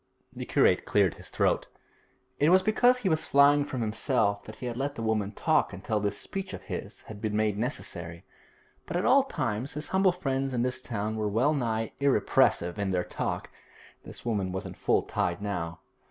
The curate cleared his throat. It was because he was flying from himself that he had let the woman talk until this speech of his had been made necessary; but at all times his humble friends in this town were well nigh irrepressible in their talk. This woman was in full tide now.